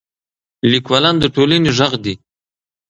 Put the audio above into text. لیکوالان د ټولنې ږغ دي.